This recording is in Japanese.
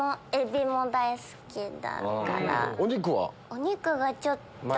お肉がちょっと。